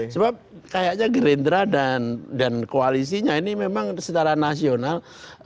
sebab kayaknya gerindra dan koalisinya ini memang secara nasional